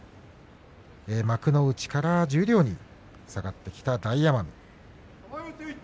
幕内から十両に下がってきた大奄美。